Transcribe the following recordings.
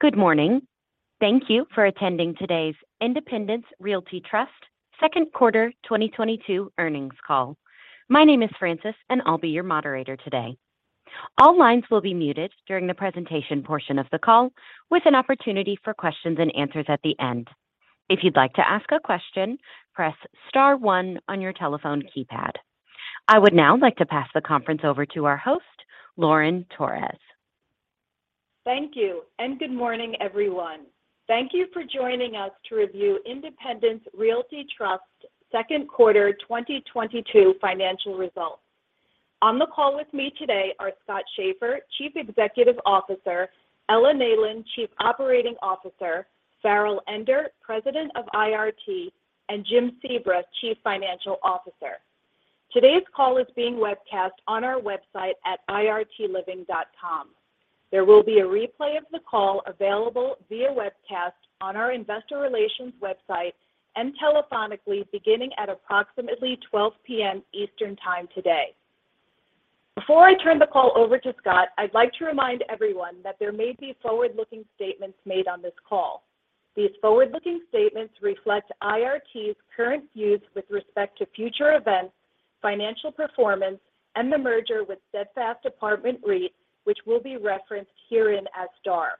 Good morning. Thank you for attending today's Independence Realty Trust second quarter 2022 earnings call. My name is Francis, and I'll be your moderator today. All lines will be muted during the presentation portion of the call with an opportunity for questions and answers at the end. If you'd like to ask a question, press star one on your telephone keypad. I would now like to pass the conference over to our host, Lauren Torres. Thank you, and good morning, everyone. Thank you for joining us to review Independence Realty Trust second quarter 2022 financial results. On the call with me today are Scott Schaeffer, Chief Executive Officer, Ella Neyland, Chief Operating Officer, Farrell Ender, President of IRT, and Jim Sebra, Chief Financial Officer. Today's call is being webcast on our website at irtliving.com. There will be a replay of the call available via webcast on our investor relations website and telephonically beginning at approximately 12:00 PM Eastern Time today. Before I turn the call over to Scott, I'd like to remind everyone that there may be forward-looking statements made on this call. These forward-looking statements reflect IRT's current views with respect to future events, financial performance, and the merger with Steadfast Apartment REIT, which will be referenced herein as STAR.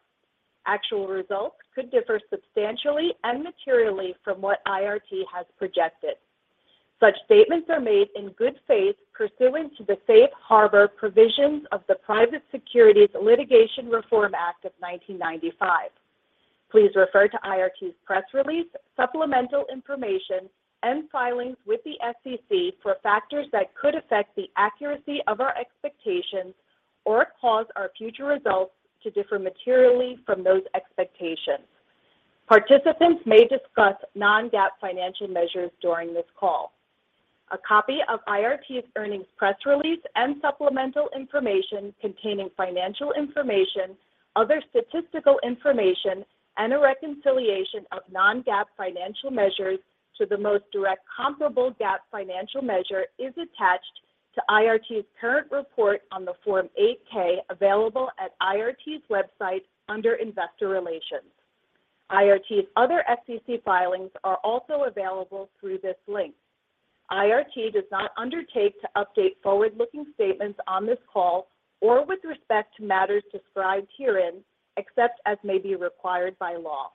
Actual results could differ substantially and materially from what IRT has projected. Such statements are made in good faith pursuant to the Safe Harbor Provisions of the Private Securities Litigation Reform Act of 1995. Please refer to IRT's press release, supplemental information, and filings with the SEC for factors that could affect the accuracy of our expectations or cause our future results to differ materially from those expectations. Participants may discuss Non-GAAP financial measures during this call. A copy of IRT's earnings press release and supplemental information containing financial information, other statistical information, and a reconciliation of Non-GAAP financial measures to the most direct comparable GAAP financial measure is attached to IRT's current report on the Form 8-K, available at IRT's website under Investor Relations. IRT's other SEC filings are also available through this link. IRT does not undertake to update forward-looking statements on this call or with respect to matters described herein, except as may be required by law.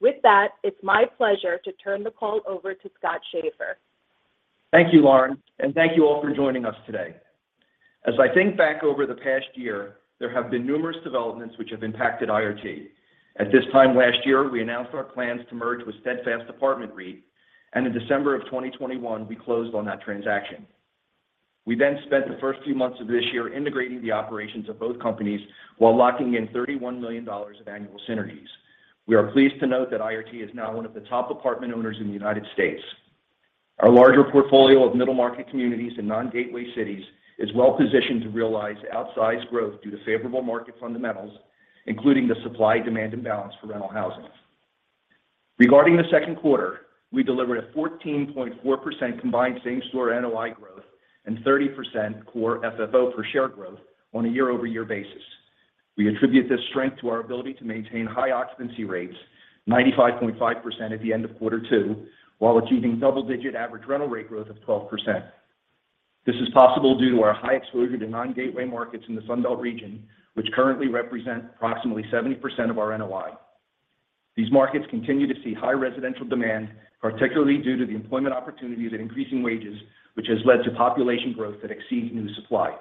With that, it's my pleasure to turn the call over to Scott Schaeffer. Thank you, Lauren, and thank you all for joining us today. As I think back over the past year, there have been numerous developments which have impacted IRT. At this time last year, we announced our plans to merge with Steadfast Apartment REIT, and in December 2021, we closed on that transaction. We then spent the first few months of this year integrating the operations of both companies while locking in $31 million of annual synergies. We are pleased to note that IRT is now one of the top apartment owners in the United States. Our larger portfolio of middle-market communities in non-gateway cities is well-positioned to realize outsized growth due to favorable market fundamentals, including the supply-demand imbalance for rental housing. Regarding the second quarter, we delivered a 14.4% combined same-store NOI growth and 30% Core FFO per share growth on a year-over-year basis. We attribute this strength to our ability to maintain high occupancy rates, 95.5% at the end of quarter two, while achieving double-digit average rental rate growth of 12%. This is possible due to our high exposure to non-gateway markets in the Sun Belt region, which currently represent approximately 70% of our NOI. These markets continue to see high residential demand, particularly due to the employment opportunities and increasing wages, which has led to population growth that exceeds new supply.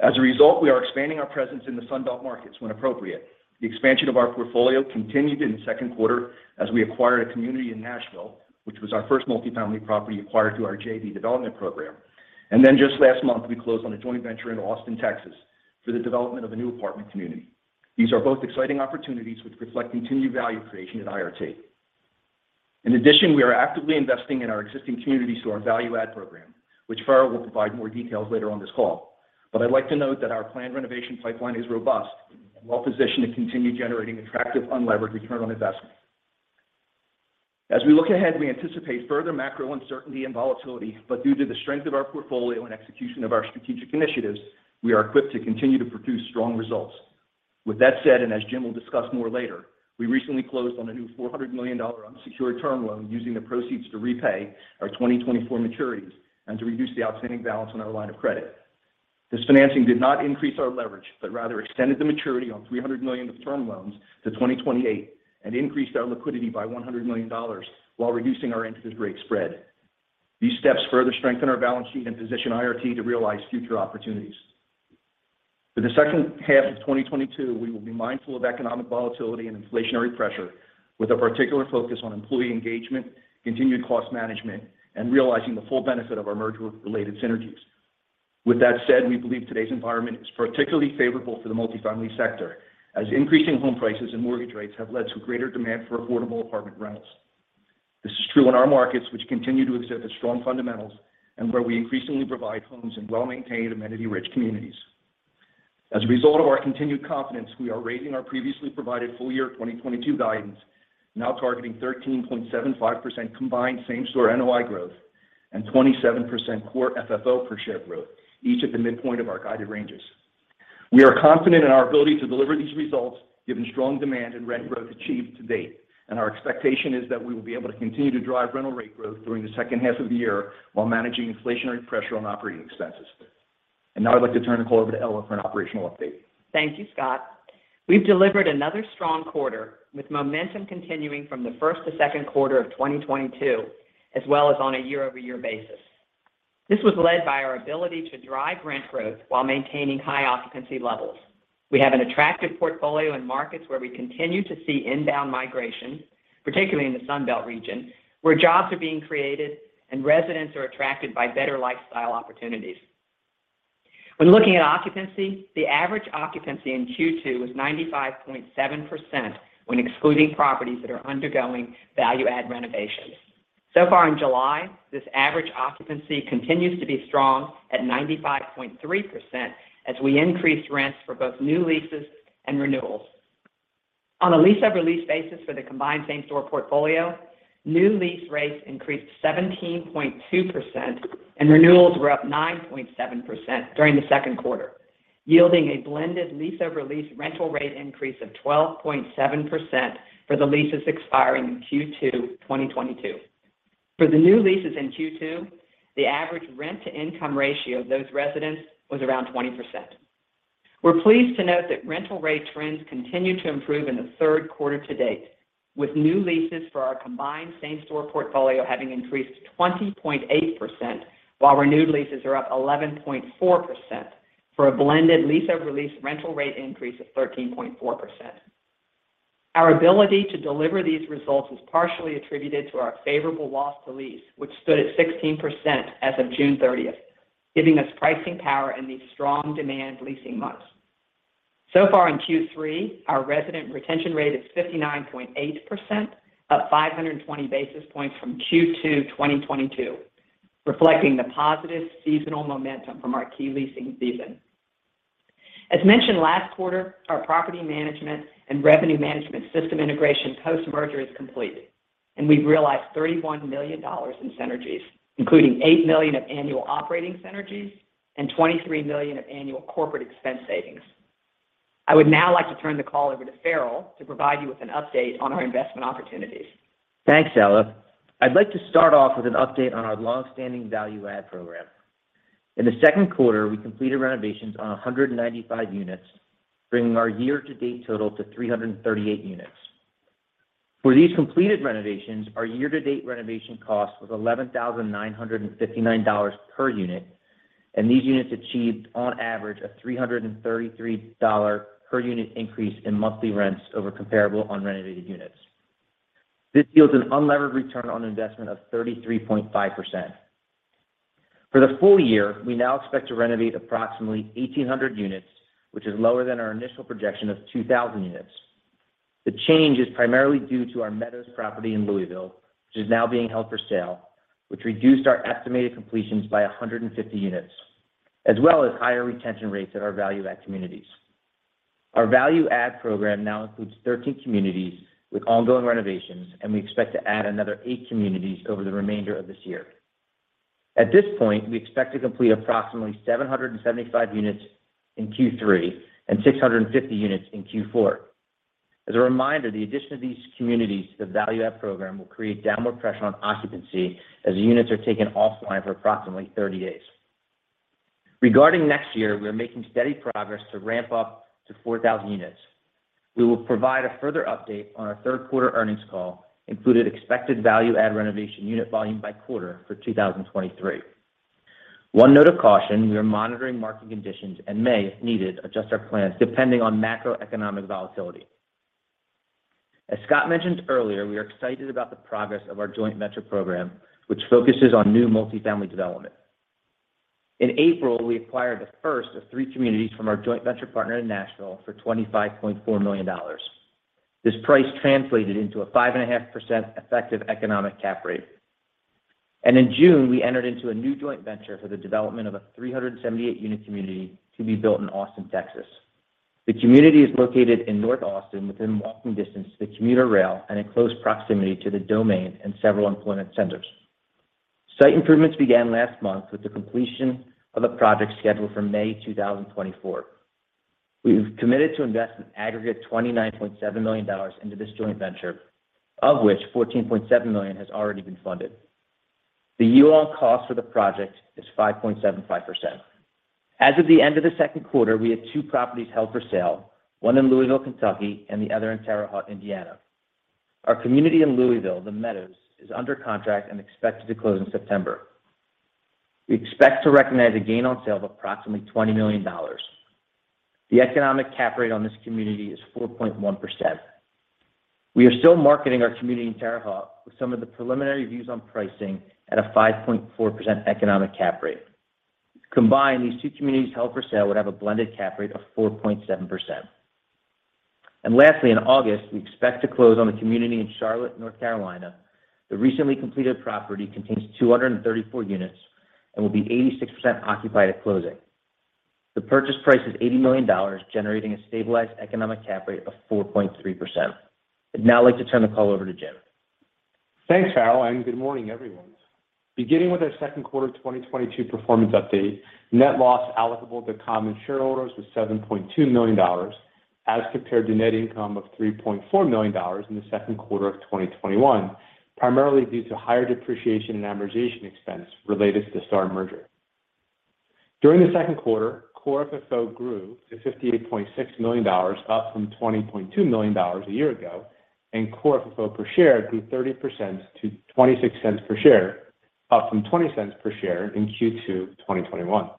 As a result, we are expanding our presence in the Sun Belt markets when appropriate. The expansion of our portfolio continued in the second quarter as we acquired a community in Nashville, which was our first multi-family property acquired through our JV development program. Then just last month, we closed on a joint venture in Austin, Texas, for the development of a new apartment community. These are both exciting opportunities which reflect continued value creation at IRT. In addition, we are actively investing in our existing communities through our value add program, which Farrell will provide more details later on this call. I'd like to note that our planned renovation pipeline is robust and well-positioned to continue generating attractive unlevered return on investment. As we look ahead, we anticipate further macro uncertainty and volatility, but due to the strength of our portfolio and execution of our strategic initiatives, we are equipped to continue to produce strong results. With that said, as Jim will discuss more later, we recently closed on a new $400 million unsecured term loan using the proceeds to repay our 2024 maturities and to reduce the outstanding balance on our line of credit. This financing did not increase our leverage, but rather extended the maturity on $300 million of term loans to 2028 and increased our liquidity by $100 million while reducing our interest rate spread. These steps further strengthen our balance sheet and position IRT to realize future opportunities. For the second half of 2022, we will be mindful of economic volatility and inflationary pressure with a particular focus on employee engagement, continued cost management, and realizing the full benefit of our merger-related synergies. With that said, we believe today's environment is particularly favorable for the multifamily sector as increasing home prices and mortgage rates have led to greater demand for affordable apartment rentals. This is true in our markets which continue to exhibit strong fundamentals and where we increasingly provide homes in well-maintained, amenity-rich communities. As a result of our continued confidence, we are raising our previously provided full-year 2022 guidance, now targeting 13.75% combined same-store NOI growth. 27% Core FFO per share growth, each at the midpoint of our guided ranges. We are confident in our ability to deliver these results given strong demand and rent growth achieved to date. Our expectation is that we will be able to continue to drive rental rate growth during the second half of the year while managing inflationary pressure on operating expenses. Now I'd like to turn the call over to Ella for an operational update. Thank you, Scott. We've delivered another strong quarter with momentum continuing from the first to second quarter of 2022, as well as on a year-over-year basis. This was led by our ability to drive rent growth while maintaining high occupancy levels. We have an attractive portfolio in markets where we continue to see inbound migration, particularly in the Sun Belt region, where jobs are being created and residents are attracted by better lifestyle opportunities. When looking at occupancy, the average occupancy in Q2 was 95.7% when excluding properties that are undergoing value add renovations. So far in July, this average occupancy continues to be strong at 95.3% as we increased rents for both new leases and renewals. On a lease-over-lease basis for the combined same-store portfolio, new lease rates increased 17.2% and renewals were up 9.7% during the second quarter, yielding a blended lease-over-lease rental rate increase of 12.7% for the leases expiring in Q2 2022. For the new leases in Q2, the average rent-to-income ratio of those residents was around 20%. We're pleased to note that rental rate trends continue to improve in the third quarter to date, with new leases for our combined same-store portfolio having increased 20.8%, while renewed leases are up 11.4% for a blended lease-over-lease rental rate increase of 13.4%. Our ability to deliver these results is partially attributed to our favorable loss to lease, which stood at 16% as of June 30th, giving us pricing power in these strong demand leasing months. So far in Q3, our resident retention rate is 59.8%, up 520 basis points from Q2 2022, reflecting the positive seasonal momentum from our key leasing season. As mentioned last quarter, our property management and revenue management system integration post-merger is complete, and we've realized $31 million in synergies, including $8 million of annual operating synergies and $23 million of annual corporate expense savings. I would now like to turn the call over to Farrell to provide you with an update on our investment opportunities. Thanks, Ella. I'd like to start off with an update on our longstanding value add program. In the second quarter, we completed renovations on 195 units, bringing our year-to-date total to 338 units. For these completed renovations, our year-to-date renovation cost was $11,959 per unit, and these units achieved on average a $333 per unit increase in monthly rents over comparable unrenovated units. This yields an unlevered return on investment of 33.5%. For the full year, we now expect to renovate approximately 1,800 units, which is lower than our initial projection of 2,000 units. The change is primarily due to The Meadows property in Louisville, which is now being held for sale, which reduced our estimated completions by 150 units, as well as higher retention rates at our value add communities. Our value add program now includes 13 communities with ongoing renovations, and we expect to add another eight communities over the remainder of this year. At this point, we expect to complete approximately 775 units in Q3 and 650 units in Q4. As a reminder, the addition of these communities to the value add program will create downward pressure on occupancy as the units are taken offline for approximately 30 days. Regarding next year, we are making steady progress to ramp up to 4,000 units. We will provide a further update on our third quarter earnings call, including expected value add renovation unit volume by quarter for 2023. One note of caution, we are monitoring market conditions and may, if needed, adjust our plans depending on macroeconomic volatility. As Scott mentioned earlier, we are excited about the progress of our joint venture program, which focuses on new multifamily development. In April, we acquired the first of three communities from our joint venture partner in Nashville for $25.4 million. This price translated into a 5.5% effective economic cap rate. In June, we entered into a new joint venture for the development of a 378-unit community to be built in Austin, Texas. The community is located in North Austin within walking distance to the commuter rail and in close proximity to The Domain and several employment centers. Site improvements began last month with the completion of the project scheduled for May 2024. We've committed to invest an aggregate $29.7 million into this joint venture, of which $14.7 million has already been funded. The yield on cost for the project is 5.75%. As of the end of the second quarter, we had two properties held for sale, one in Louisville, Kentucky, and the other in Terre Haute, Indiana. Our community in Louisville, The Meadows, is under contract and expected to close in September. We expect to recognize a gain on sale of approximately $20 million. The economic cap rate on this community is 4.1%. We are still marketing our community in Terre Haute with some of the preliminary views on pricing at a 5.4% economic cap rate. Combined, these two communities held for sale would have a blended cap rate of 4.7%. Lastly, in August, we expect to close on a community in Charlotte, North Carolina. The recently completed property contains 234 units and will be 86% occupied at closing. The purchase price is $80 million, generating a stabilized economic cap rate of 4.3%. I'd now like to turn the call over to Jim. Thanks, Farrell, and good morning, everyone. Beginning with our Q2 2022 performance update, net loss allocable to common shareholders was $7.2 million, as compared to net income of $3.4 million in the second quarter of 2021, primarily due to higher depreciation and amortization expense related to the STAR merger. During the second quarter, Core FFO grew to $58.6 million, up from $20.2 million a year ago, and Core FFO per share grew 30% to $0.26 per share, up from $0.20 per share in Q2 2021.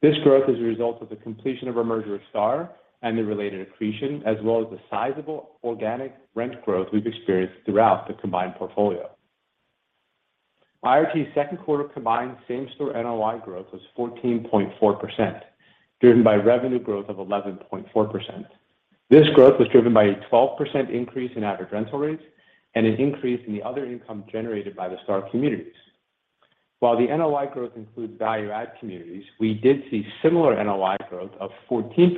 This growth is a result of the completion of our merger with STAR and the related accretion, as well as the sizable organic rent growth we've experienced throughout the combined portfolio. IRT's second quarter combined same-store NOI growth was 14.4%, driven by revenue growth of 11.4%. This growth was driven by a 12% increase in average rental rates and an increase in the other income generated by the STAR communities. While the NOI growth includes value-add communities, we did see similar NOI growth of 14%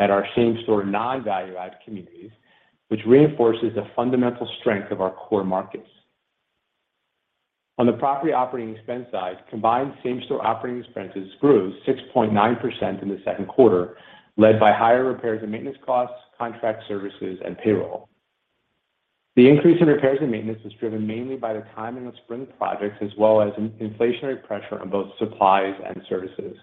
at our same-store non-value-add communities, which reinforces the fundamental strength of our core markets. On the property operating expense side, combined same-store operating expenses grew 6.9% in the second quarter, led by higher repairs and maintenance costs, contract services, and payroll. The increase in repairs and maintenance was driven mainly by the timing of spring projects as well as an inflationary pressure on both supplies and services.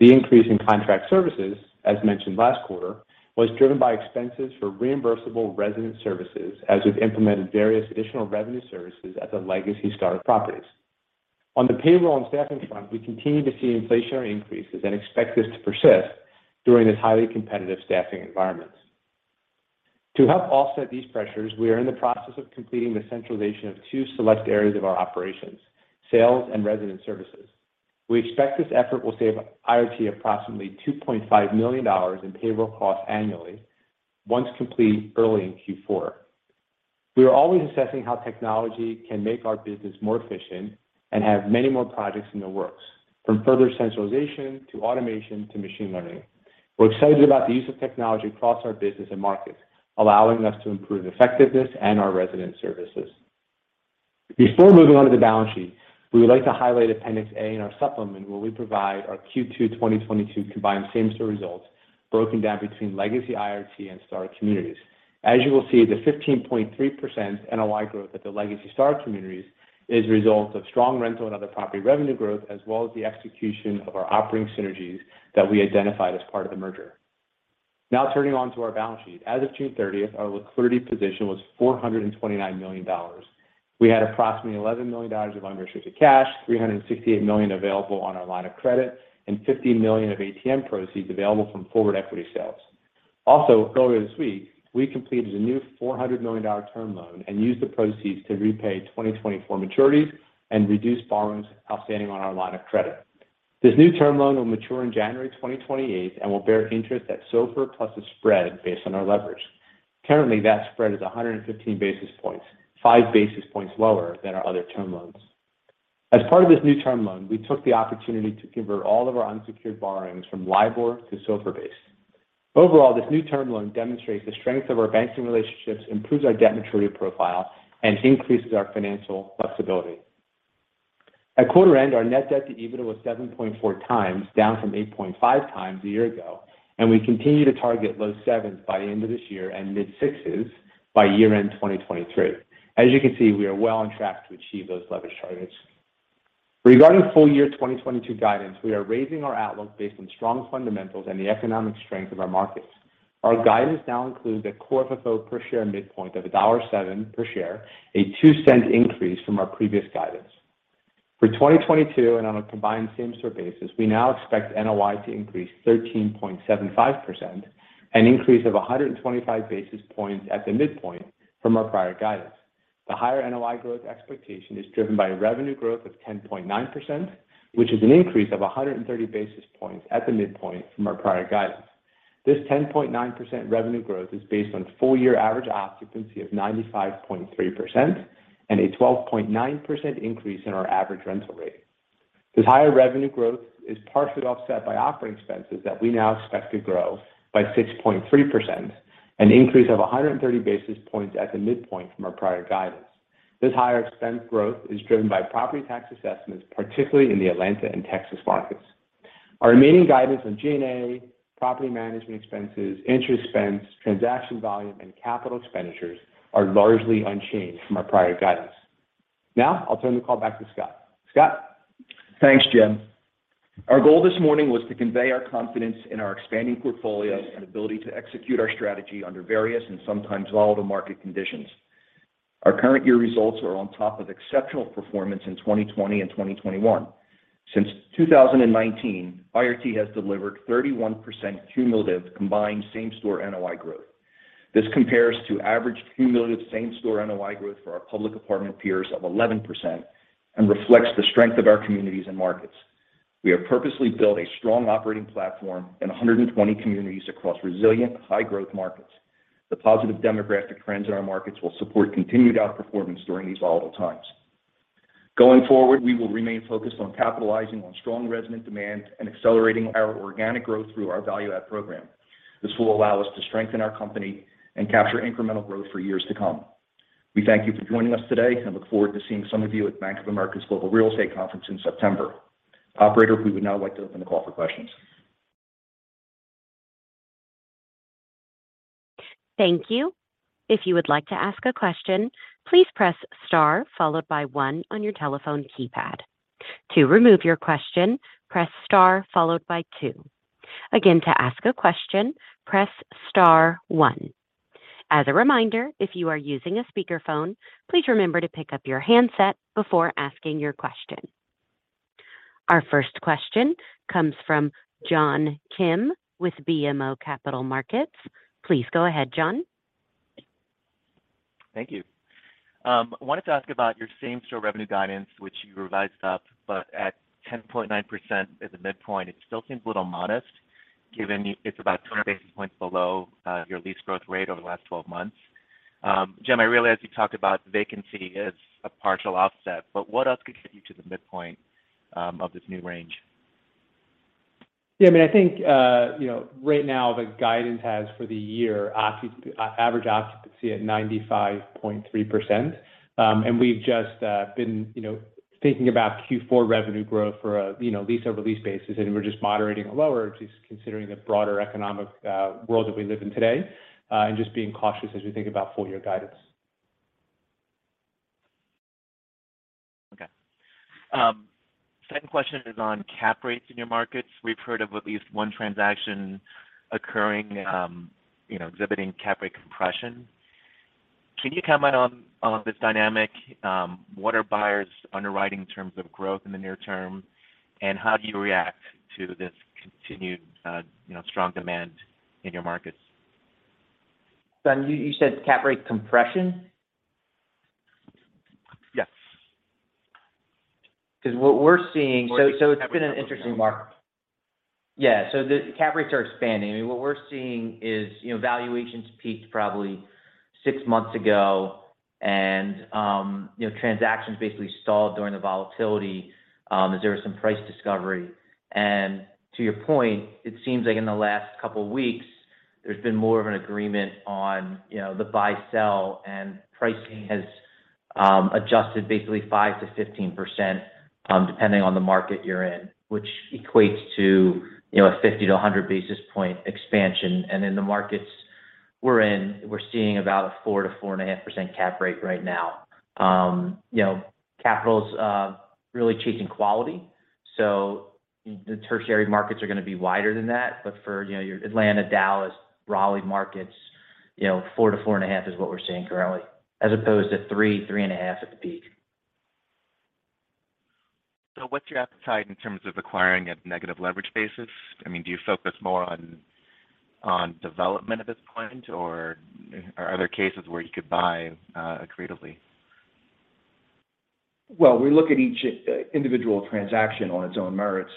The increase in contract services, as mentioned last quarter, was driven by expenses for reimbursable resident services, as we've implemented various additional revenue services at the legacy STAR properties. On the payroll and staffing front, we continue to see inflationary increases and expect this to persist during this highly competitive staffing environment. To help offset these pressures, we are in the process of completing the centralization of two select areas of our operations, sales and resident services. We expect this effort will save IRT approximately $2.5 million in payroll costs annually once complete early in Q4. We are always assessing how technology can make our business more efficient and have many more projects in the works, from further centralization to automation to machine learning. We're excited about the use of technology across our business and markets, allowing us to improve effectiveness and our resident services. Before moving on to the balance sheet, we would like to highlight Appendix A in our supplement where we provide our Q2 2022 combined same-store results broken down between legacy IRT and Star communities. As you will see, the 15.3% NOI growth at the legacy Star communities is a result of strong rental and other property revenue growth as well as the execution of our operating synergies that we identified as part of the merger. Now turning to our balance sheet. As of June 30th, our liquidity position was $429 million. We had approximately $11 million of unrestricted cash, $368 million available on our line of credit, and $50 million of ATM proceeds available from forward equity sales. Also, earlier this week, we completed a new $400 million term loan and used the proceeds to repay 2024 maturities and reduce borrowings outstanding on our line of credit. This new term loan will mature in January 2028 and will bear interest at SOFR+ a spread based on our leverage. Currently, that spread is 115 basis points, five basis points lower than our other term loans. As part of this new term loan, we took the opportunity to convert all of our unsecured borrowings from LIBOR to SOFR-based. Overall, this new term loan demonstrates the strength of our banking relationships, improves our debt maturity profile, and increases our financial flexibility. At quarter end, our net debt to EBITDA was 7.4 times, down from 8.5 times a year ago, and we continue to target low sevens by the end of this year and mid-sixes by year-end 2023. As you can see, we are well on track to achieve those leverage targets. Regarding full-year 2022 guidance, we are raising our outlook based on strong fundamentals and the economic strength of our markets. Our guidance now includes a Core FFO per share midpoint of $1.07 per share, a 2-cent increase from our previous guidance. For 2022 and on a combined same-store basis, we now expect NOI to increase 13.75%, an increase of 125 basis points at the midpoint from our prior guidance. The higher NOI growth expectation is driven by revenue growth of 10.9%, which is an increase of 130 basis points at the midpoint from our prior guidance. This 10.9% revenue growth is based on full-year average occupancy of 95.3% and a 12.9% increase in our average rental rate. This higher revenue growth is partially offset by operating expenses that we now expect to grow by 6.3%, an increase of 130 basis points at the midpoint from our prior guidance. This higher expense growth is driven by property tax assessments, particularly in the Atlanta and Texas markets. Our remaining guidance on G&A, property management expenses, interest expense, transaction volume, and capital expenditures are largely unchanged from our prior guidance. Now I'll turn the call back to Scott. Scott? Thanks, Jim. Our goal this morning was to convey our confidence in our expanding portfolio and ability to execute our strategy under various and sometimes volatile market conditions. Our current year results are on top of exceptional performance in 2020 and 2021. Since 2019, IRT has delivered 31% cumulative combined same-store NOI growth. This compares to average cumulative same-store NOI growth for our public apartment peers of 11% and reflects the strength of our communities and markets. We have purposely built a strong operating platform and 120 communities across resilient, high-growth markets. The positive demographic trends in our markets will support continued outperformance during these volatile times. Going forward, we will remain focused on capitalizing on strong resident demand and accelerating our organic growth through our value add program. This will allow us to strengthen our company and capture incremental growth for years to come. We thank you for joining us today and look forward to seeing some of you at Bank of America's Global Real Estate Conference in September. Operator, we would now like to open the call for questions. Thank you. If you would like to ask a question, please press star followed by one on your telephone keypad. To remove your question, press star followed by two. Again, to ask a question, press star one. As a reminder, if you are using a speakerphone, please remember to pick up your handset before asking your question. Our first question comes from John Kim with BMO Capital Markets. Please go ahead, John. Thank you. Wanted to ask about your same-store revenue guidance, which you revised up, but at 10.9% as a midpoint, it still seems a little modest given it's about 20 basis points below, your lease growth rate over the last 12-months. Jim, I realize you talked about vacancy as a partial offset, but what else could get you to the midpoint, of this new range? Yeah, I mean, I think, you know, right now the guidance has for the year average occupancy at 95.3%. We've just been, you know, thinking about Q4 revenue growth for a lease-over-lease basis, and we're just moderating it lower, just considering the broader economic world that we live in today, and just being cautious as we think about full year guidance. Okay. Second question is on cap rates in your markets. We've heard of at least one transaction occurring, you know, exhibiting cap rate compression. Can you comment on this dynamic? What are buyers underwriting in terms of growth in the near term? How do you react to this continued, you know, strong demand in your markets? John, you said cap rate compression? Yes. 'Cause what we're seeing. Cap rate compression. It's been an interesting market. Yeah. The cap rates are expanding. I mean, what we're seeing is, you know, valuations peaked probably six months ago and, you know, transactions basically stalled during the volatility, as there was some price discovery. To your point, it seems like in the last couple weeks there's been more of an agreement on, you know, the buy-sell, and pricing has adjusted basically 5%-15%, depending on the market you're in, which equates to, you know, a 50 basis point-100 basis point expansion. In the markets we're in, we're seeing about a 4%-4.5% cap rate right now. You know, capital's really chasing quality, so the tertiary markets are gonna be wider than that. For, you know, your Atlanta, Dallas, Raleigh markets, you know, 4-4.5 is what we're seeing currently, as opposed to 3-3.5 at the peak. What's your appetite in terms of acquiring a negative leverage basis? I mean, do you focus more on development at this point or are there cases where you could buy creatively? Well, we look at each individual transaction on its own merits.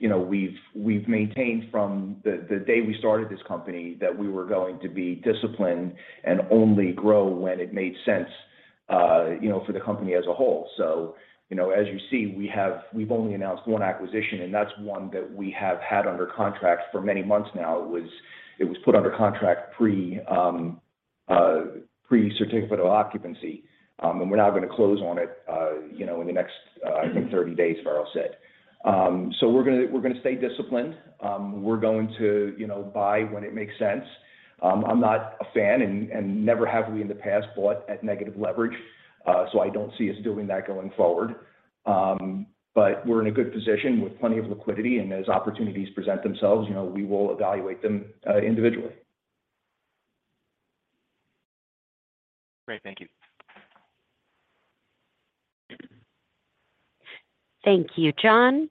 You know, we've maintained from the day we started this company that we were going to be disciplined and only grow when it made sense, you know, for the company as a whole. You know, as you see, we've only announced one acquisition, and that's one that we have had under contract for many months now. It was put under contract pre-certificate of occupancy. We're now gonna close on it, you know, in the next, I think 30 days, Farrell said. We're gonna stay disciplined. We're going to, you know, buy when it makes sense. I'm not a fan and never have we in the past bought at negative leverage. I don't see us doing that going forward. We're in a good position with plenty of liquidity, and as opportunities present themselves, you know, we will evaluate them individually. Great. Thank you. Thank you, John.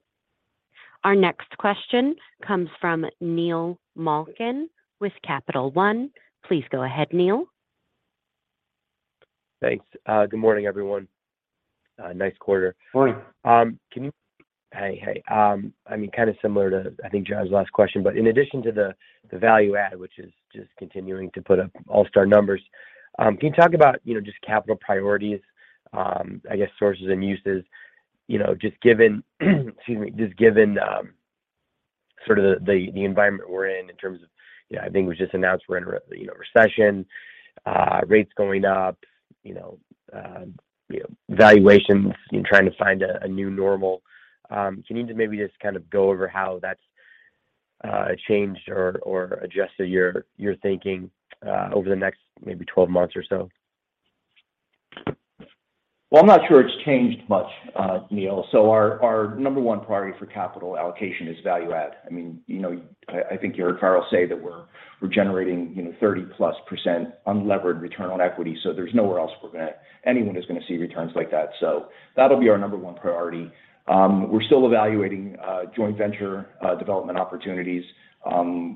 Our next question comes from Neil Malkin with Capital One. Please go ahead, Neil. Thanks. Good morning, everyone. Nice quarter. Morning. Can you... Hey, hey. I mean, kind of similar to, I think, John's last question, but in addition to the value add, which is just continuing to put up all-star numbers, can you talk about, you know, just capital priorities, I guess sources and uses, you know, just given, excuse me, just given sort of the environment we're in in terms of, you know, I think it was just announced we're in a recession, rates going up, you know, valuations, you know, trying to find a new normal. Can you just maybe just kind of go over how that's changed or adjusted your thinking over the next maybe 12 months or so? Well, I'm not sure it's changed much, Neil. Our number one priority for capital allocation is value add. I mean, you know, I think you heard Farrell say that we're generating, you know, 30%+ unlevered return on equity. There's nowhere else anyone is gonna see returns like that. That'll be our number one priority. We're still evaluating joint venture development opportunities.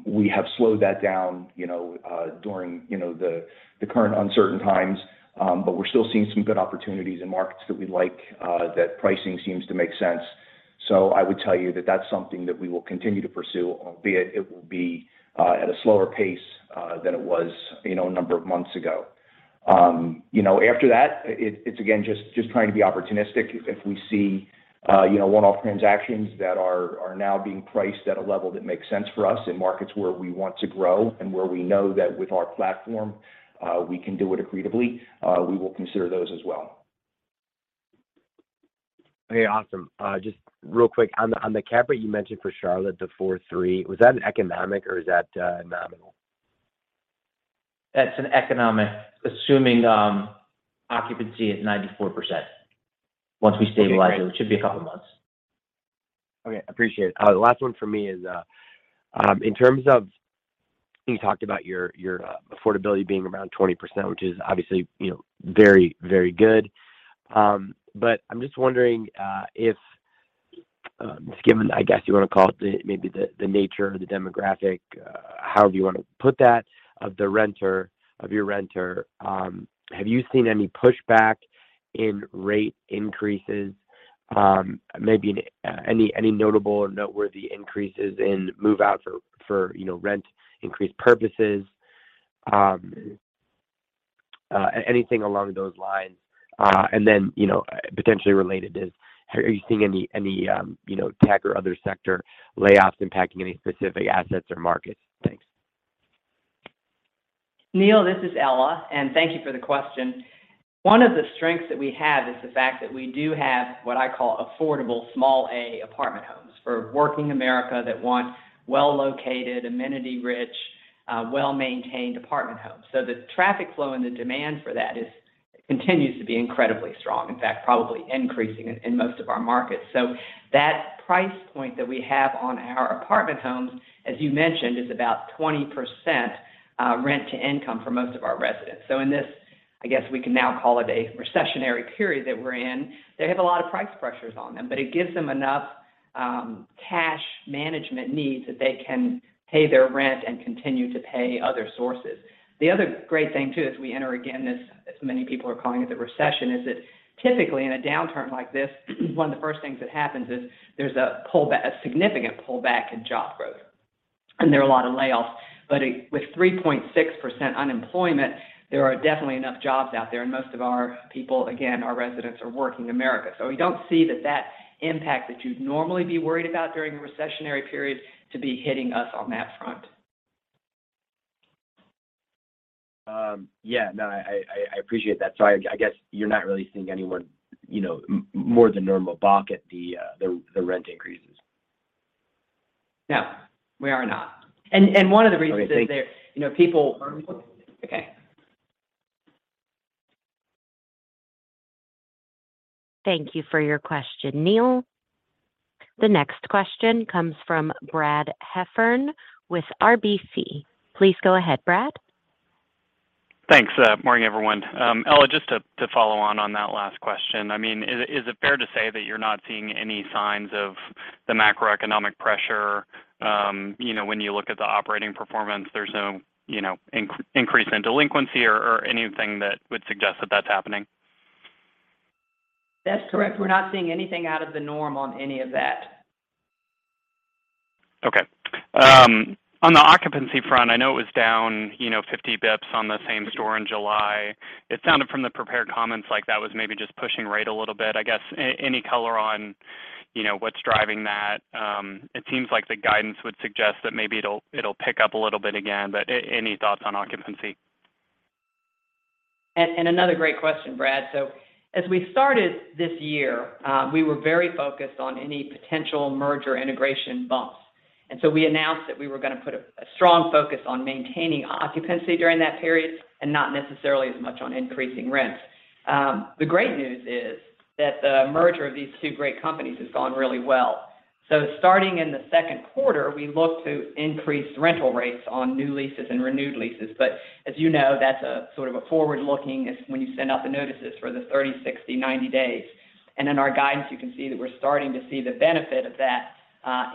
We have slowed that down, you know, during the current uncertain times. But we're still seeing some good opportunities in markets that we like that pricing seems to make sense. I would tell you that that's something that we will continue to pursue, albeit it will be at a slower pace than it was, you know, a number of months ago. You know, after that, it's again, just trying to be opportunistic. If we see, you know, one-off transactions that are now being priced at a level that makes sense for us in markets where we want to grow and where we know that with our platform, we can do it accretively, we will consider those as well. Okay. Awesome. Just real quick. On the cap rate you mentioned for Charlotte, the 4.3%, was that an economic or is that nominal? That's an economic, assuming occupancy is 94% once we stabilize it. Okay, great. Which should be a couple months. Okay. Appreciate it. The last one for me is in terms of you talked about your affordability being around 20%, which is obviously, you know, very, very good. But I'm just wondering if given, I guess you wanna call it, the nature or the demographic, however you wanna put that, of the renter, of your renter, have you seen any pushback in rate increases? Maybe any notable or noteworthy increases in move-outs for you know, rent increase purposes? Anything along those lines. And then, you know, potentially related is are you seeing any you know, tech or other sector layoffs impacting any specific assets or markets? Thanks. Neil, this is Ella, and thank you for the question. One of the strengths that we have is the fact that we do have what I call affordable Class A apartment homes for working America that want well-located, amenity-rich, well-maintained apartment homes. The traffic flow and the demand for that continues to be incredibly strong. In fact, probably increasing in most of our markets. That price point that we have on our apartment homes, as you mentioned, is about 20% rent to income for most of our residents. In this, I guess we can now call it a recessionary period that we're in, they have a lot of price pressures on them, but it gives them enough cash management needs that they can pay their rent and continue to pay other sources. The other great thing too, as we enter, again, this, as many people are calling it, the recession, is that typically in a downturn like this, one of the first things that happens is there's a pullback, a significant pullback in job growth, and there are a lot of layoffs. It, with 3.6% unemployment, there are definitely enough jobs out there. Most of our people, again, our residents, are working Americans. We don't see that impact that you'd normally be worried about during a recessionary period to be hitting us on that front. Yeah, no, I appreciate that. I guess you're not really seeing anyone, you know, more than normal balk at the rent increases. No, we are not. One of the reasons is. Okay, thank you. You know. Okay. Thank you for your question, Neil. The next question comes from Brad Heffern with RBC. Please go ahead, Brad. Thanks. Morning, everyone. Ella, just to follow on that last question. I mean, is it fair to say that you're not seeing any signs of the macroeconomic pressure, you know, when you look at the operating performance, there's no, you know, increase in delinquency or anything that would suggest that that's happening? That's correct. We're not seeing anything out of the norm on any of that. Okay. On the occupancy front, I know it was down, you know, 50 basis points on the same-store in July. It sounded from the prepared comments like that was maybe just pushing rate a little bit. I guess any color on, you know, what's driving that. It seems like the guidance would suggest that maybe it'll pick up a little bit again, but any thoughts on occupancy? Another great question, Brad. As we started this year, we were very focused on any potential merger integration bumps. We announced that we were gonna put a strong focus on maintaining occupancy during that period and not necessarily as much on increasing rents. The great news is that the merger of these two great companies has gone really well. Starting in the second quarter, we look to increase rental rates on new leases and renewed leases. As you know, that's a sort of a forward-looking. It's when you send out the notices for the 30, 60, 90 days. In our guidance, you can see that we're starting to see the benefit of that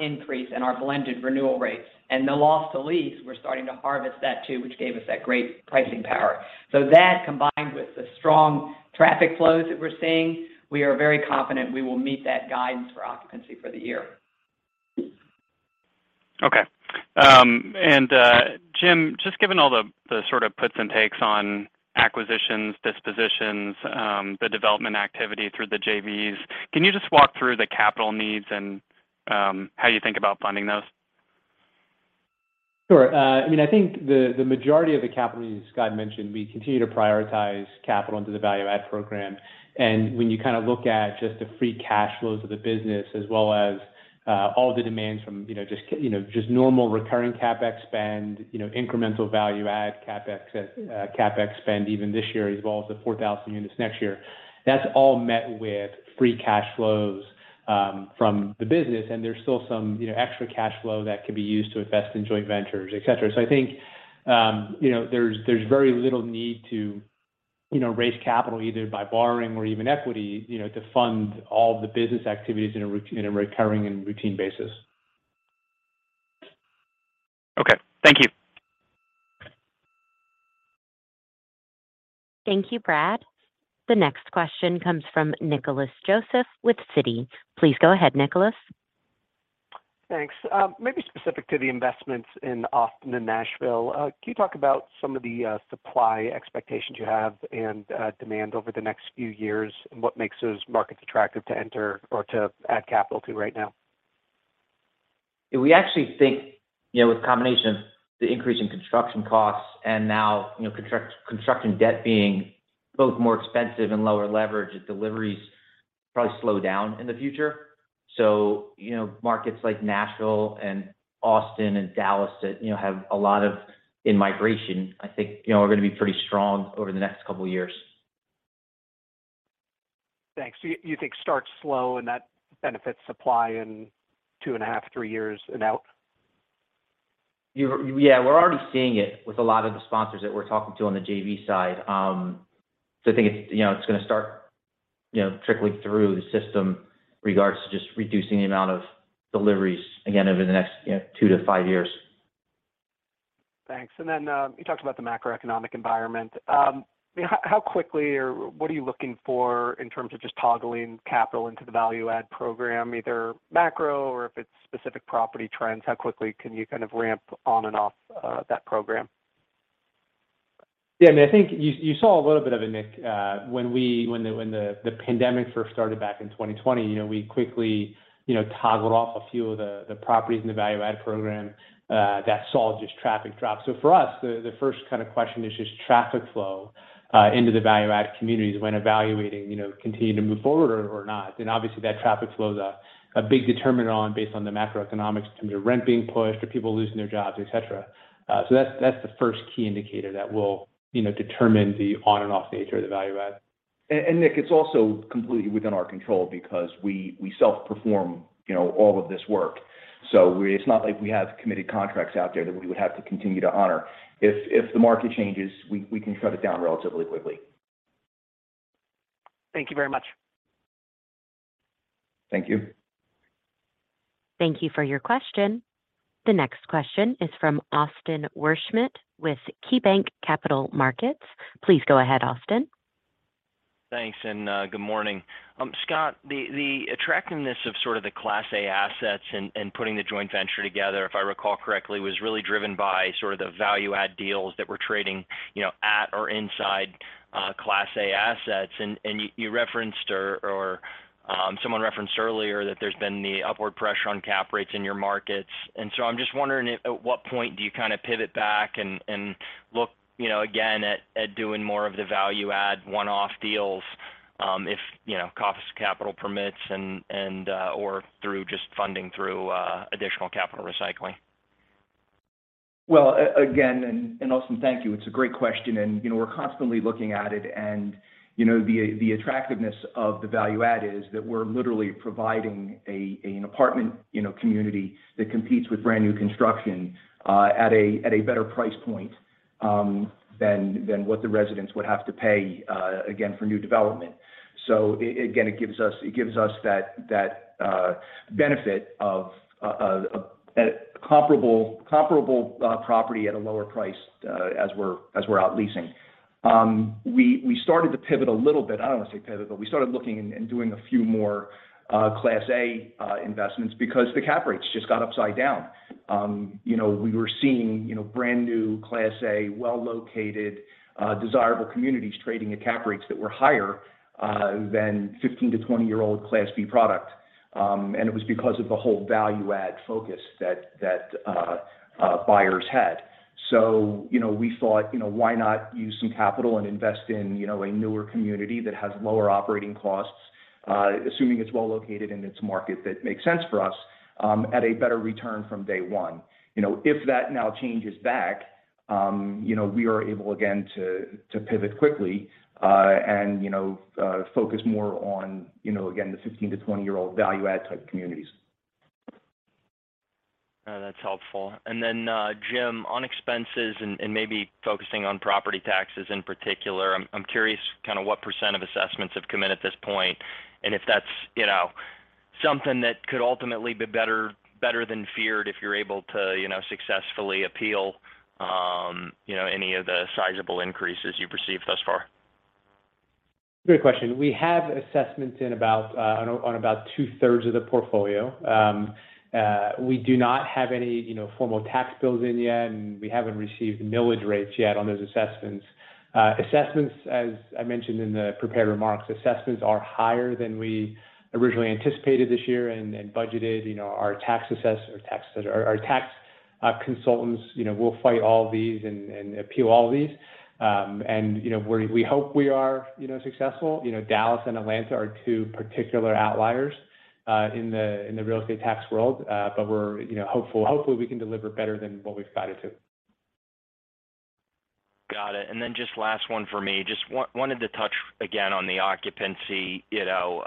increase in our blended renewal rates. The loss to lease, we're starting to harvest that too, which gave us that great pricing power. that combined with the strong traffic flows that we're seeing, we are very confident we will meet that guidance for occupancy for the year. Okay. Jim, just given all the sort of puts and takes on acquisitions, dispositions, the development activity through the JVs, can you just walk through the capital needs and how you think about funding those? Sure. I mean, I think the majority of the capital needs, as Scott mentioned, we continue to prioritize capital into the value add program. When you kind of look at just the free cash flows of the business as well as all the demands from, you know, just, you know, just normal recurring CapEx spend, you know, incremental value add CapEx spend even this year as well as the 4,000 units next year. That's all met with free cash flows from the business, and there's still some, you know, extra cash flow that could be used to invest in joint ventures, et cetera. I think, you know, there's very little need to, you know, raise capital either by borrowing or even equity, you know, to fund all the business activities in a recurring and routine basis. Okay. Thank you. Thank you, Brad. The next question comes from Nicholas Joseph with Citigroup. Please go ahead, Nicholas. Thanks. Maybe specific to the investments in Austin and Nashville, can you talk about some of the supply expectations you have and demand over the next few years? What makes those markets attractive to enter or to add capital to right now? We actually think, you know, with combination of the increase in construction costs and now, you know, construction debt being both more expensive and lower leverage as deliveries probably slow down in the future. Markets like Nashville and Austin and Dallas that, you know, have a lot of in-migration, I think, you know, are gonna be pretty strong over the next couple of years. Thanks. You think starts slow, and that benefits supply in 2.5 years-3 years and out? Yeah. We're already seeing it with a lot of the sponsors that we're talking to on the JV side. I think it's, you know, it's gonna start, you know, trickling through the system regards to just reducing the amount of deliveries again over the next, you know, 2 years-5 years. Thanks. You talked about the macroeconomic environment. I mean, how quickly or what are you looking for in terms of just toggling capital into the value add program, either macro or if it's specific property trends? How quickly can you kind of ramp on and off, that program? Yeah. I mean, I think you saw a little bit of it, Nick, when the pandemic first started back in 2020, you know, we quickly, you know, toggled off a few of the properties in the value add program that saw just traffic drop. For us, the first kind of question is just traffic flow into the value add communities when evaluating continue to move forward or not. Obviously, that traffic flow is a big determiner based on the macroeconomics in terms of rent being pushed or people losing their jobs, et cetera. So that's the first key indicator that will, you know, determine the on and off nature of the value add. Nick, it's also completely within our control because we self-perform, you know, all of this work. It's not like we have committed contracts out there that we would have to continue to honor. If the market changes, we can shut it down relatively quickly. Thank you very much. Thank you. Thank you for your question. The next question is from Austin Wurschmidt with KeyBanc Capital Markets. Please go ahead, Austin. Thanks, good morning. Scott, the attractiveness of sort of the Class A assets and putting the joint venture together, if I recall correctly, was really driven by sort of the value add deals that were trading, you know, at or inside Class A assets. You referenced or someone referenced earlier that there's been the upward pressure on cap rates in your markets. I'm just wondering at what point do you kind of pivot back and look, you know, again at doing more of the value add one-off deals, if you know cost of capital permits and or through just funding through additional capital recycling? Well, Austin, thank you. It's a great question. You know, we're constantly looking at it. You know, the attractiveness of the value add is that we're literally providing an apartment, you know, community that competes with brand new construction at a better price point than what the residents would have to pay again for new development. Again, it gives us that benefit of a comparable property at a lower price as we're out leasing. We started to pivot a little bit. I don't want to say pivot, but we started looking and doing a few more Class A investments because the cap rates just got upside down. You know, we were seeing, you know, brand new Class A, well located, desirable communities trading at cap rates that were higher than 15- to 20-year-old Class B product. It was because of the whole value add focus that buyers had. You know, we thought, you know, why not use some capital and invest in, you know, a newer community that has lower operating costs, assuming it's well located in its market, that makes sense for us at a better return from day one. You know, if that now changes back, you know, we are able again to pivot quickly and, you know, focus more on, you know, again, the 15- to 20-year-old value add type communities. No, that's helpful. Then, Jim, on expenses and maybe focusing on property taxes in particular, I'm curious kind of what % of assessments have come in at this point, and if that's, you know, something that could ultimately be better than feared if you're able to, you know, successfully appeal, you know, any of the sizable increases you've received thus far? Great question. We have assessments in about two-thirds of the portfolio. We do not have any, you know, formal tax bills in yet, and we haven't received millage rates yet on those assessments. Assessments, as I mentioned in the prepared remarks, are higher than we originally anticipated this year and budgeted. You know, our tax consultants, you know, will fight all of these and appeal all of these. You know, we hope we are, you know, successful. You know, Dallas and Atlanta are two particular outliers in the real estate tax world. But we're, you know, hopeful. Hopefully, we can deliver better than what we've guided to. Got it. Just last one for me. Just wanted to touch again on the occupancy, you know,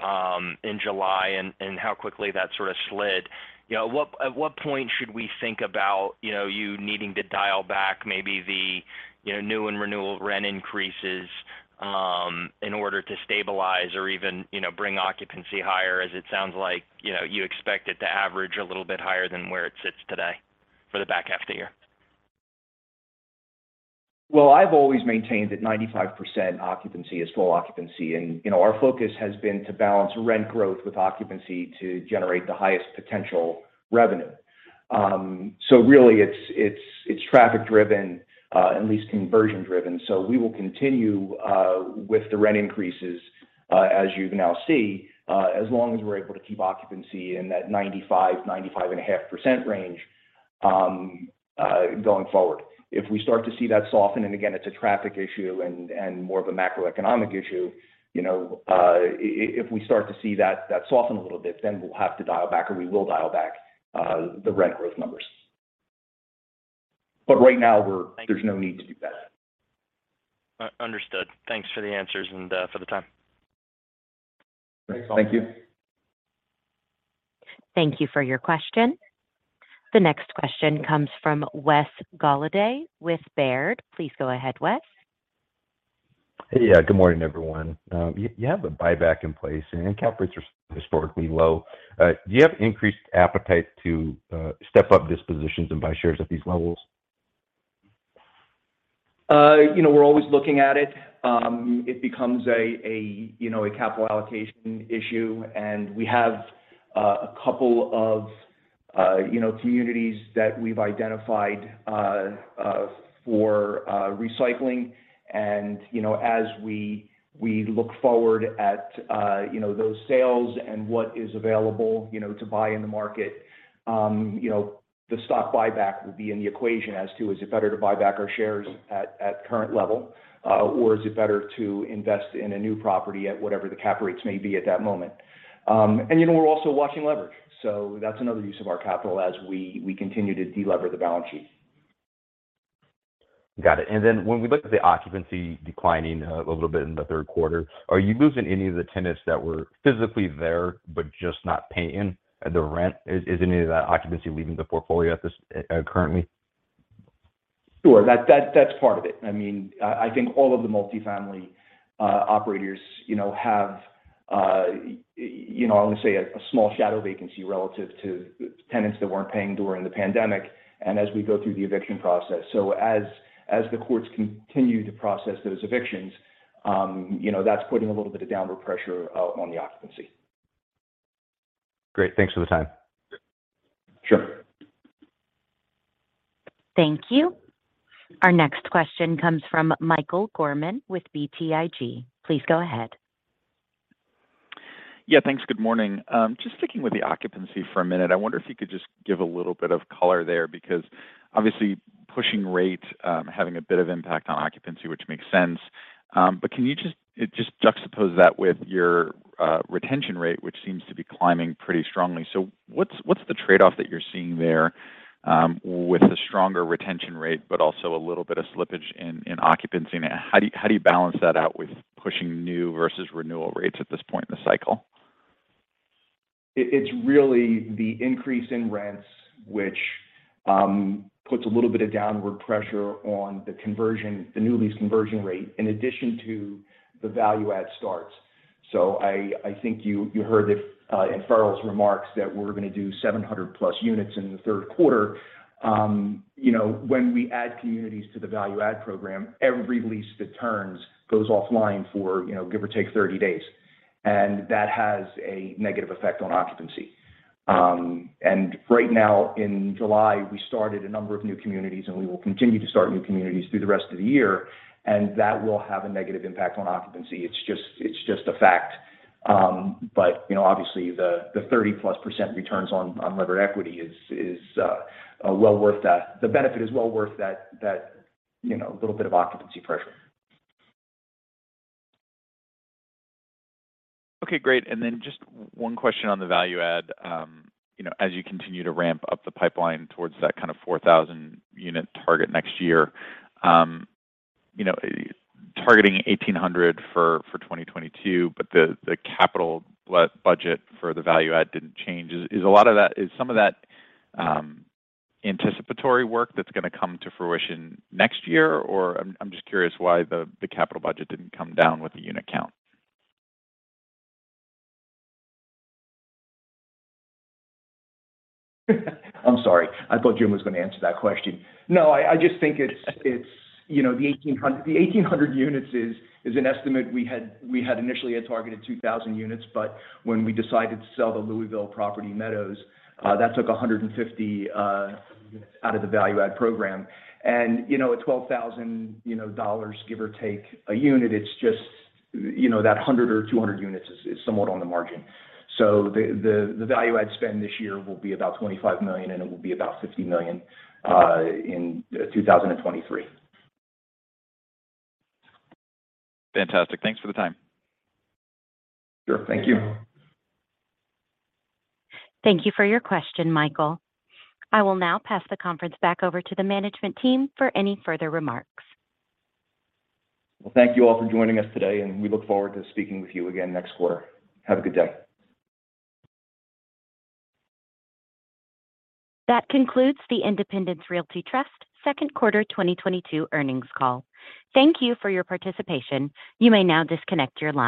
in July and how quickly that sort of slid. You know, at what point should we think about, you know, you needing to dial back maybe the, you know, new and renewal rent increases? In order to stabilize or even, you know, bring occupancy higher as it sounds like, you know, you expect it to average a little bit higher than where it sits today for the back half of the year. Well, I've always maintained that 95% occupancy is full occupancy and, you know, our focus has been to balance rent growth with occupancy to generate the highest potential revenue. Really it's traffic driven, at least conversion driven. We will continue with the rent increases, as you now see, as long as we're able to keep occupancy in that 95%-95.5% range, going forward. If we start to see that soften, and again, it's a traffic issue and more of a macroeconomic issue, you know, if we start to see that soften a little bit, then we'll have to dial back or we will dial back the rent growth numbers. Right now we're Thank you. There's no need to do that. Understood. Thanks for the answers and for the time. Thank you. Thank you for your question. The next question comes from Wes Golladay with Baird. Please go ahead, Wes. Hey. Good morning, everyone. You have a buyback in place and cap rates are historically low. Do you have increased appetite to step up dispositions and buy shares at these levels? You know, we're always looking at it. It becomes a you know, a capital allocation issue, and we have a couple of you know, communities that we've identified for recycling. You know, as we look forward at you know, those sales and what is available you know, to buy in the market, you know, the stock buyback would be in the equation as to is it better to buy back our shares at current level or is it better to invest in a new property at whatever the cap rates may be at that moment. You know, we're also watching leverage. That's another use of our capital as we continue to delever the balance sheet. Got it. When we look at the occupancy declining a little bit in the third quarter, are you losing any of the tenants that were physically there but just not paying the rent? Is any of that occupancy leaving the portfolio at this currently? Sure. That's part of it. I mean, I think all of the multi-family operators, you know, have, you know, I want to say a small shadow vacancy relative to tenants that weren't paying during the pandemic and as we go through the eviction process. As the courts continue to process those evictions, you know, that's putting a little bit of downward pressure out on the occupancy. Great. Thanks for the time. Sure. Thank you. Our next question comes from Michael Gorman with BTIG. Please go ahead. Yeah, thanks. Good morning. Just sticking with the occupancy for a minute. I wonder if you could just give a little bit of color there because obviously pushing rate having a bit of impact on occupancy, which makes sense. Can you just juxtapose that with your retention rate, which seems to be climbing pretty strongly. What's the trade-off that you're seeing there with the stronger retention rate, but also a little bit of slippage in occupancy? How do you balance that out with pushing new versus renewal rates at this point in the cycle? It's really the increase in rents which puts a little bit of downward pressure on the conversion, the new lease conversion rate, in addition to the value-add starts. I think you heard it in Farrell's remarks that we're gonna do 700+ units in the third quarter. You know, when we add communities to the value-add program, every lease that turns goes offline for, you know, give or take 30 days. That has a negative effect on occupancy. Right now in July, we started a number of new communities, and we will continue to start new communities through the rest of the year, and that will have a negative impact on occupancy. It's just a fact. You know, obviously the 30+% returns on levered equity is well worth that. The benefit is well worth that, you know, little bit of occupancy pressure. Okay, great. Just one question on the value add. You know, as you continue to ramp up the pipeline towards that kind of 4,000 unit target next year, you know, targeting 1,800 for 2022, but the capital budget for the value add didn't change. Is a lot of that some of that anticipatory work that's gonna come to fruition next year, or I'm just curious why the capital budget didn't come down with the unit count. I'm sorry. I thought Jim was gonna answer that question. No, I just think it's, you know, the 1,800 units is an estimate. We had initially targeted 2,000 units, but when we decided to sell the Louisville property, The Meadows, that took 150 units out of the value add program. You know, at $12,000, give or take a unit, it's just, you know, that 100 or 200 units is somewhat on the margin. The value add spend this year will be about $25 million, and it will be about $50 million in 2023. Fantastic. Thanks for the time. Sure. Thank you. Thank you for your question, Michael. I will now pass the conference back over to the management team for any further remarks. Well, thank you all for joining us today, and we look forward to speaking with you again next quarter. Have a good day. That concludes the Independence Realty Trust second quarter 2022 earnings call. Thank you for your participation. You may now disconnect your line.